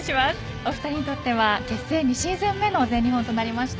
お二人にとっては結成２シーズン目の全日本となりました。